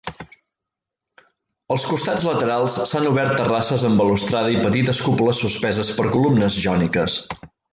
Als costats laterals s'han obert terrasses amb balustrada i petites cúpules suspeses per columnes jòniques.